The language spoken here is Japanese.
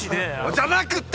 じゃなくて！